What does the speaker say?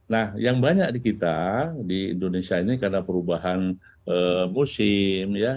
nah yang banyak di kita di indonesia ini karena perubahan musim